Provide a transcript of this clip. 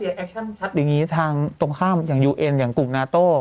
แอคชั่นชัดอย่างนี้ทางตรงข้ามอย่างยูเอ็นอย่างกรุงนาโต้